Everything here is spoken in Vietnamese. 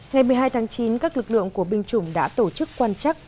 ngày một mươi hai tháng chín các lực lượng của binh chủng đã tổ chức quan chắc